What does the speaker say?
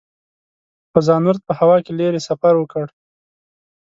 فضانورد په هوا کې لیرې سفر وکړي.